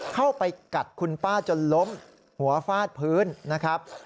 เข้าไปกัดคุณป้าจนล้มหัวฟาดพื้นนะครับ